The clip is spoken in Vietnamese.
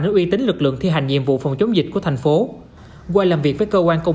đến uy tín lực lượng thi hành nhiệm vụ phòng chống dịch của thành phố qua làm việc với cơ quan công